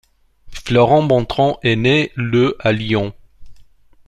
Florent Bontron est né le à Lyon.